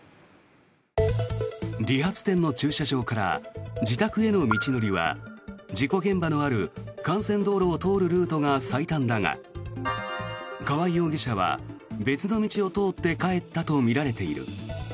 理髪店の駐車場から自宅への道のりは事故現場のある幹線道路を通るルートが最短だが川合容疑者は別の道を通って帰ったとみられている。